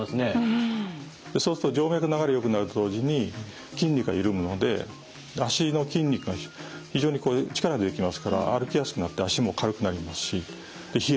そうすると静脈の流れよくなると同時に筋肉が緩むので足の筋肉が非常に力出てきますから歩きやすくなって足も軽くなりますし冷えも取れてきます。